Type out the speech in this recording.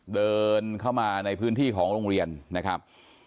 เดินเข้ามาในพื้นที่ของโรงเรียนนะครับ